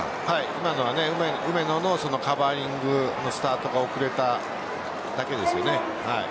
今のは梅野のカバーリングのスタートが遅れただけですよね。